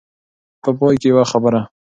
په پای کې يوه خبره.